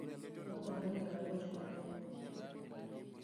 Mama ne onyieo na woche madong’o